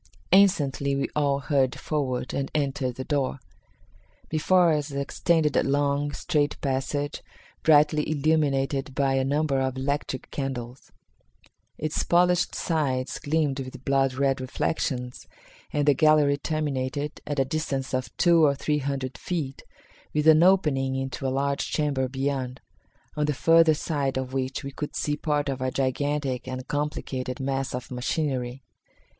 Instantly we all hurried forward and entered the door. Before us extended a long, straight passage, brightly illuminated by a number of electric candles. Its polished sides gleamed with blood red reflections, and the gallery terminated, at a distance of two or three hundred feet, with an opening into a large chamber beyond, on the further side of which we could see part of a gigantic and complicated mass of machinery.